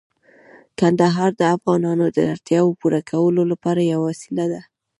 کندهار د افغانانو د اړتیاوو پوره کولو لپاره یوه وسیله ده.